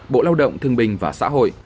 bộ lao động thương bình và xã hội